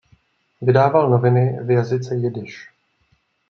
Vydával noviny v jazyce jidiš.